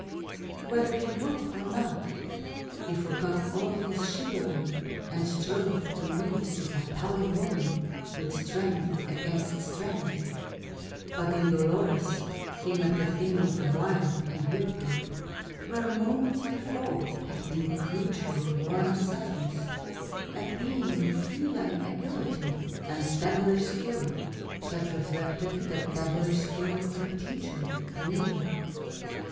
Whether he would or not, he forgot all his chivalry, and strove to meet this appalling woman with strength against strength; but in Dolores he met a thing of wire and whipcord where moments before had been a creature of warm softnesses; a being of feline agility, and devilish skill that reflected the devilish skill of her teacher, Milo.